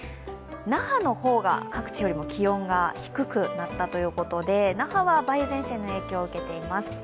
那覇の方が各地よりも気温が低くなったということで那覇は梅雨前線の影響を受けています。